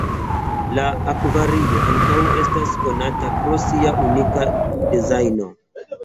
La akvario ankaŭ estas konata pro sia unika dezajno.